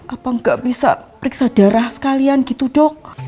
apa nggak bisa periksa darah sekalian gitu dok